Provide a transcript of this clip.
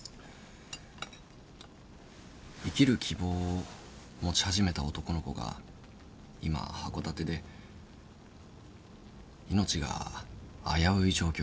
生きる希望を持ち始めた男の子が今函館で命が危うい状況で。